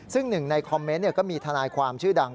ซึ่งหนึ่งในคอมเมนต์ก็มีทนายความชื่อดัง